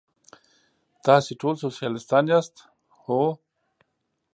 تاسې ټول سوسیالیستان یاست؟ هو.